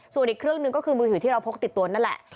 ส่วนอีกเครื่องหนึ่งก็คือมือถือที่เราพกติดตัวนั่นแหละ